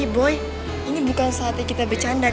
boy ini bukan saatnya kita bercanda